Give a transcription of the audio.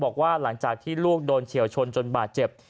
บอกว่าหลังจากที่ลูกโดนเฉียวชนจนบาดเจ็บ